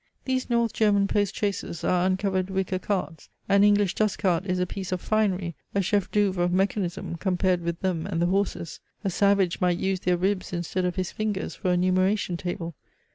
These north German post chaises are uncovered wicker carts. An English dust cart is a piece of finery, a chef d'auvre of mechanism, compared with them and the horses! a savage might use their ribs instead of his fingers for a numeration table.